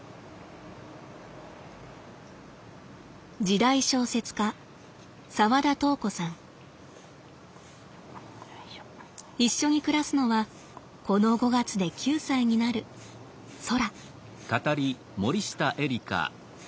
時代小説家一緒に暮らすのはこの５月で９歳になるそら。